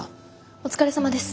お疲れさまです。